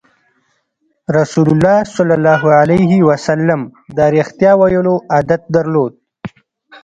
رسول الله ﷺ د رښتیا ویلو عادت درلود.